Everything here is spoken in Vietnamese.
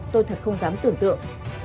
tôi thật không dám tưởng tượng